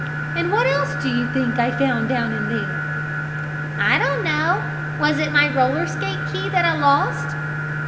And what else do you think I found down in there?" "I don't know. Was it my roller skate key that I lost?"